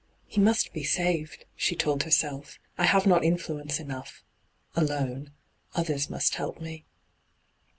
' He must be saved,' she told herself. ' I have not influence enough — alone. Others must help me.'